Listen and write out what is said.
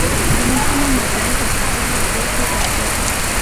له مکې نه مدینې ته سفر له ګواښه ډک و.